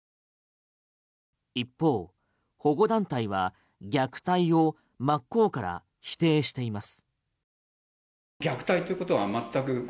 一方、保護団体は虐待を真っ向から否定しています。